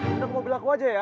udah ke mobil aku aja ya